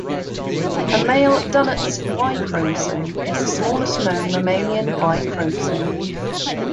A male dunnart's Y chromosome is the smallest known mammalian Y chromosome.